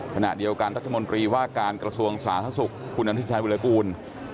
ขณะเดียวกันรัฐมนตรีว่าการกระทรวงสาธารณสุขคุณอนุทิชัยวิรากูล